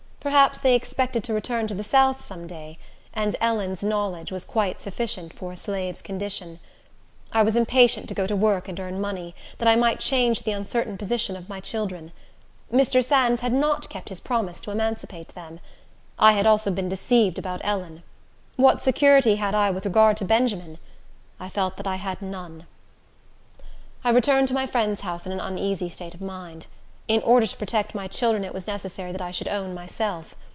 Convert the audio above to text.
Perhaps they expected to return to the south some day; and Ellen's knowledge was quite sufficient for a slave's condition. I was impatient to go to work and earn money, that I might change the uncertain position of my children. Mr. Sands had not kept his promise to emancipate them. I had also been deceived about Ellen. What security had I with regard to Benjamin? I felt that I had none. I returned to my friend's house in an uneasy state of mind. In order to protect my children, it was necessary that I should own myself.